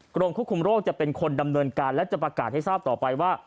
กรมควบคุมโรคจะเป็นคนดำเนินการและจะประกาศให้ทราบต่อไปว่า